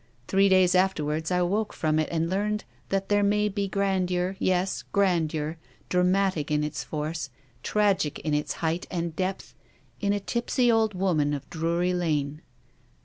Three days after wards I woke from it and learned that there may be grandeur, yes, grandeur, dramatic in its force, tragic in its height and depth, in a tipsy old woman of Drury Lane."